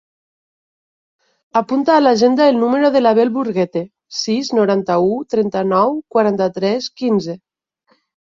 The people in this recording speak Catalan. Apunta a l'agenda el número de l'Abel Burguete: sis, noranta-u, trenta-nou, quaranta-tres, quinze.